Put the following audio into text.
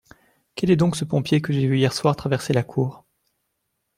Quel est donc ce pompier que j’ai vu hier soir traverser la cour ?